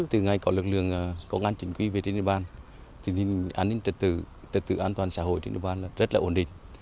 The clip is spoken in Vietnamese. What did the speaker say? từ ngày có lực lượng công an chỉnh quy về địa bàn thì an ninh trật tự trật tự an toàn xã hội trên địa bàn là rất là ổn định